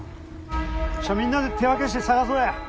みんなで手分けして捜そうや。